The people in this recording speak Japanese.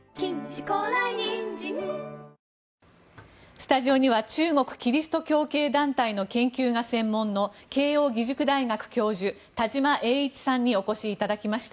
スタジオには中国キリスト教系団体の研究が専門の慶應義塾大学教授田島英一さんにお越しいただきました。